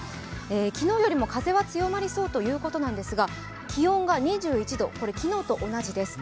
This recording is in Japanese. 昨日よりも風は強まりそうということなんですが、気温が２１度、昨日と同じです。